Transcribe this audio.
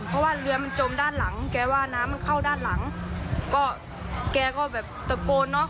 เพราะว่าเรือมันจมด้านหลังแกว่าน้ำมันเข้าด้านหลังก็แกก็แบบตะโกนเนอะ